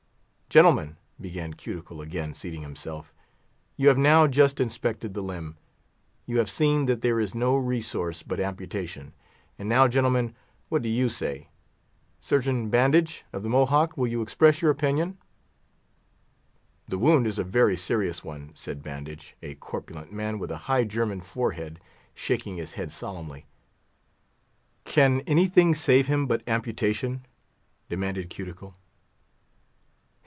"Gentlemen," began Cuticle, again seating himself, "you have now just inspected the limb; you have seen that there is no resource but amputation; and now, gentlemen, what do you say? Surgeon Bandage, of the Mohawk, will you express your opinion?" "The wound is a very serious one," said Bandage—a corpulent man, with a high German forehead—shaking his head solemnly. "Can anything save him but amputation?" demanded Cuticle.